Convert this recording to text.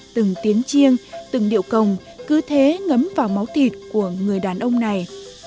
từng tiến chiêng từng điệu cồng cứ thế ngấm vào máu thịt của người đàn ông này